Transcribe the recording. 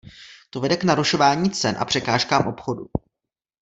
To vede k narušování cen a překážkám obchodu.